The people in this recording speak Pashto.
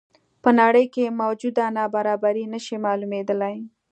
په نړۍ کې موجوده نابرابري نه شي معلومېدلی.